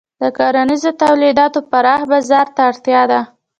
د کرنیزو تولیداتو پراخ بازار ته اړتیا ده.